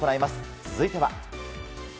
続いては。